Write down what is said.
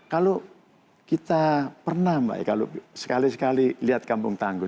kalau kita pernah mbak ya kalau sekali sekali lihat kampung tangguh